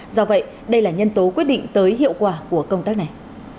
do vậy đây là nhân tố quyết định tới hiệu quả của công tác này